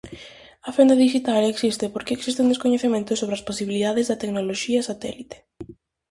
A fenda dixital existe porque existe un descoñecemento sobre as posibilidades da tecnoloxía satélite.